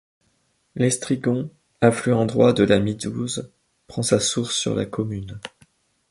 L'Estrigon, affluent droit de la Midouze, prend sa source sur la commune.